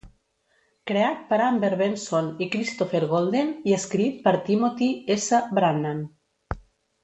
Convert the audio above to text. Creat per Amber Benson i Christopher Golden i escrit per Timothy S. Brannan.